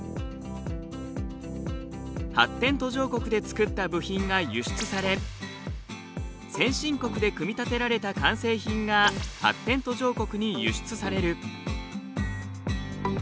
発展途上国で作った部品が輸出され先進国で組み立てられた完成品が発展途上国に輸出される。